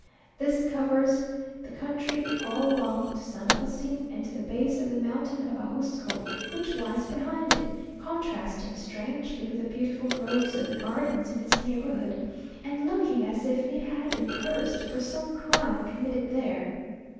This covers the country all along to San Agustin and to the base of the mountain of Ajusco, which lies behind it, contrasting strangely with the beautiful groves and gardens in its neighbourhood, and looking as if it had been cursed for some crime committed there.